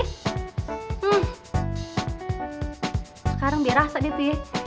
sekarang dia rasa nih tuh ya